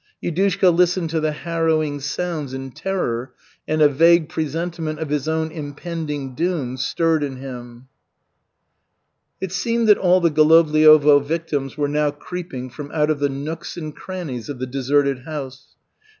Yudushka listened to the harrowing sounds in terror and a vague presentiment of his own impending doom stirred in him. It seemed that all the Golovliovo victims were now creeping from out of the nooks and crannies of the deserted house.